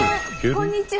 こんにちは。